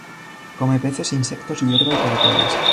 Come peces, insectos, hierba y caracoles.